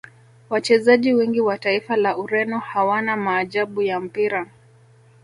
wachezaji wengi wa taifa la Ureno hawana maajabu ya mpira